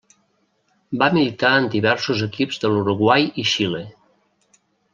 Va militar en diversos equips de l'Uruguai i Xile.